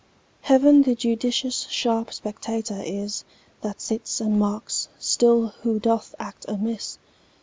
Heaven the judicious sharp spectator is, That sits and marks still who doth act amiss.